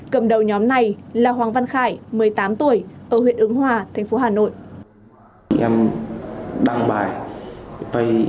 cầm đầu nhóm này là hoàng văn khải một mươi tám tuổi ở huyện ứng hòa thành phố hà nội